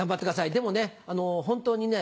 でも本当にね